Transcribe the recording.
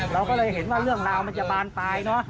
เราก็เลยเห็นว่าเรื่องราวมันจะบานปลายเนอะ